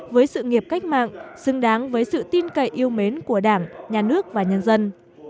với sự nghiệp cách mạng xứng đáng với sự tin cậy yêu mến của đảng nhà nước và nhân dân